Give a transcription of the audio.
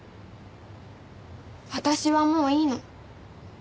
私はもういいの。